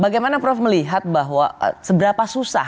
kita melihat bahwa seberapa susah